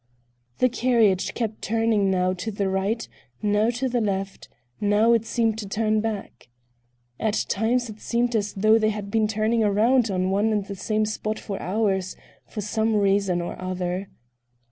The carriage kept turning now to the right, now to the left, now it seemed to turn back. At times it seemed as though they had been turning around on one and the same spot for hours for some reason or other.